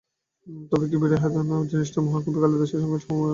তবে কি বিরহবেদনা বলে জিনিসটা মহাকবি কালিদাসের সঙ্গে সহমরণে মরেছে?